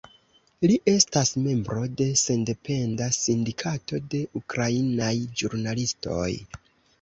Li estas membro de sendependa sindikato de ukrainaj ĵurnalistoj.